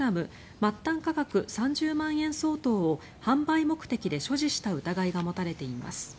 末端価格３０万円相当を販売目的で所持した疑いが持たれています。